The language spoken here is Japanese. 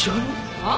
あっ？